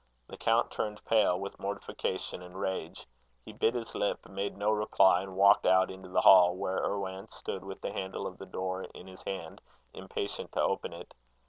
The count turned pale with mortification and rage. He bit his lip, made no reply, and walked out into the hall, where Irwan stood with the handle of the door in his hand, impatient to open it.